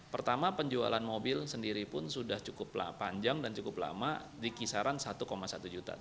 pertama penjualan mobil sendiri pun sudah cukup panjang dan cukup lama di kisaran satu satu juta